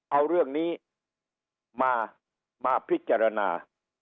เอาเรื่องนี้มาพิจารณา